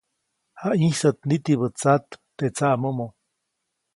Jayĩsäʼt nitibä tsat teʼ tsaʼmomo.